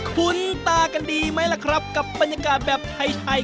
คุ้นตากันดีไหมล่ะครับกับบรรยากาศแบบไทย